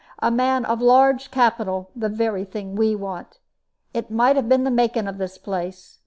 A man of large capital the very thing we want. It might have been the making of this place.